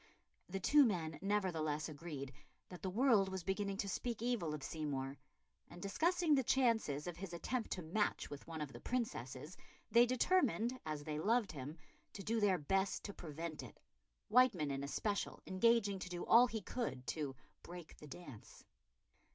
The two men nevertheless agreed that the world was beginning to speak evil of Seymour, and, discussing the chances of his attempt to match with one of the Princesses, they determined, as they loved him, to do their best to prevent it, Wightman in especial engaging to do all he could to "break the dance."